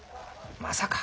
まさか。